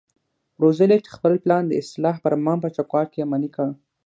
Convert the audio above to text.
روزولټ خپل پلان د اصلاح فرمان په چوکاټ کې عملي کړ.